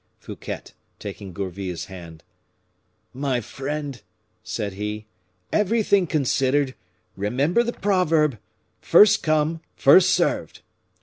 Fouquet, taking Gourville's hand "My friend," said he, "everything considered, remember the proverb, 'First come, first served!